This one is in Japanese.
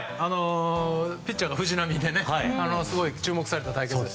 ピッチャーが藤浪で注目された対決で。